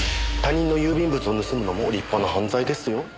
他人の郵便物を盗むのも立派な犯罪ですよ。